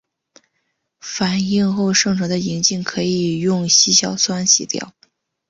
反应后生成的银镜可以用稀硝酸洗掉。